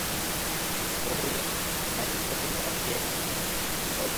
বোধ হয় মাইল শ-তিন তফাতে গিয়ে এবার নাপিতের দোকান খুলতে হবে।